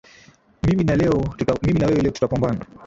Mimi na wewe leo tutapambana